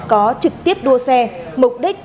có trực tiếp đua xe mục đích